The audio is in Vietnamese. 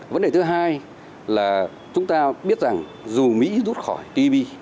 vấn đề thứ hai là chúng ta biết rằng dù mỹ rút khỏi tb